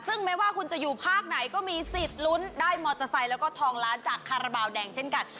ซึ่งไม่ว่าคุณจะอยู่ภาคไหนก็มีสิทธิ์ลุ้นได้มอเตอร์ไซค์แล้วก็ทองล้านจากคาราบาลแดงเช่นกัน